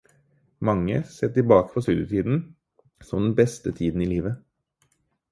Mange ser tilbake på studietiden som den beste tiden i livet